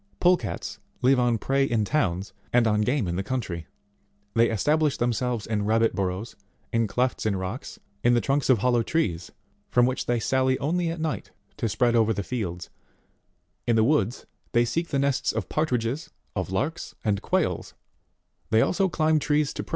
Pole cats live on prey in towns, and on game in the country ; they establish themselves in rabbit burrows, in clefts of rocks, in the trunks of hollow trees, from which they sally only at night to spread over the fields ; in the woods, they seek the nests of par tridges, of larks, and quails ; they also climb trees to prey ; they 17.